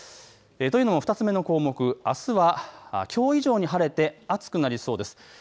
というのも２つ目の項目、あすはきょう以上に晴れて暑くなりそうです。